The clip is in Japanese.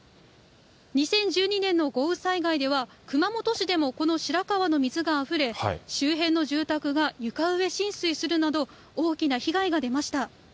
２０１２年の豪雨災害では、熊本市でもこの白川の水があふれ、周辺の住宅が床上浸水するなど、大きな被害が出ました。